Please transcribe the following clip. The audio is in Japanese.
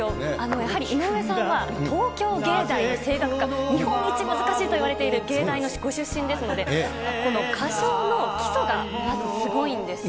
やはり、井上さんは東京芸大の声楽科、日本一難しいといわれている芸大のご出身ですので、この歌唱の基礎が、まずすごいんですよ。